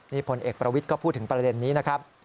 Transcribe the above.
นี่พลเอกประวิทย์ก็พูดถึงประเด็นนี้นะครับ